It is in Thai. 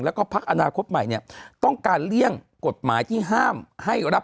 แล้วก็พักอนาคตใหม่เนี่ยต้องการเลี่ยงกฎหมายที่ห้ามให้รับ